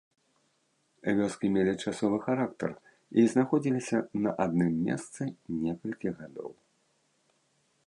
Вёскі мелі часовы характар і знаходзіліся на адным месцы некалькі гадоў.